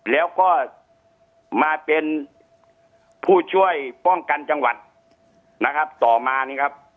แล้วก็มาเป็นผู้ช่วยป้องกันจังหวัดนะครับต่อมานี่ครับ